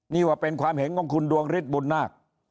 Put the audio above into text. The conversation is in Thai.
นี่ว่าเป็นความเห็นของคุณดวงฤทธิบุญนาค